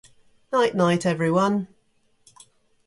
Night night everyone.